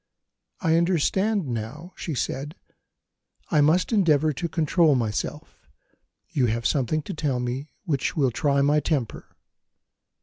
"I understand now," she said; "I must endeavour to control myself you have something to tell me which will try my temper."